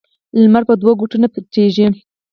لمر په دوو ګوتو نه پټیږي